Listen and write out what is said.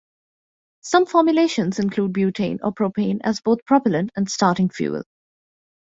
Some formulations include butane or propane as both propellant and starting fuel.